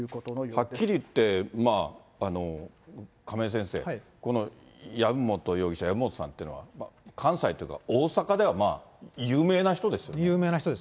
はっきりいって、亀井先生、この籔本容疑者、籔本さんっていうのは、関西とか大阪ではまあ、有名な人ですよね。